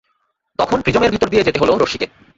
তখন প্রিজমের ভেতর দিয়ে যেতে হলো রশ্মিকে।